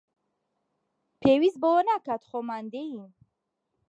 پێویست بەوە ناکات، خۆمان دێین